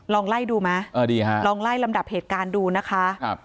ลองไล่ดูไหมลองไล่ลำดับเหตุการณ์ดูนะคะ